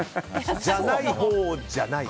じゃないほうじゃない。